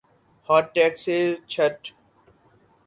heart attack سے چھٹ